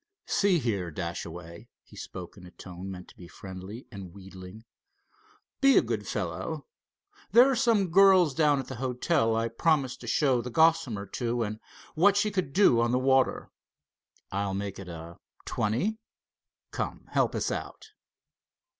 "See here, Dashaway," he spoke, in a tone meant to be friendly and wheedling; "be a good fellow. There are some girls down at the hotel I promised to show the Gossamer to, and what she could do on the water. I'll make it a twenty. Come, help us out."